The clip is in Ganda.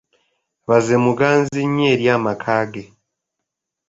Baze muganzi nnyo eri amaka ge.